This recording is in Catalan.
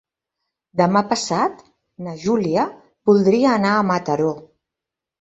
Demà passat na Júlia voldria anar a Mataró.